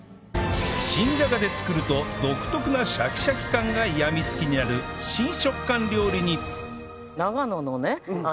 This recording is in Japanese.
新じゃがで作ると独特なシャキシャキ感がやみつきになる新食感料理に